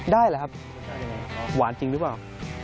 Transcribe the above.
ได้เหรอครับหวานจริงหรือเปล่า